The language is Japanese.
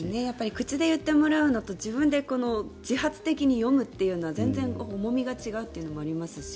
口で言ってもらうのと自分で自発的に読むのは全然重みが違うというのもありますし